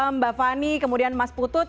mbak fani kemudian mas putut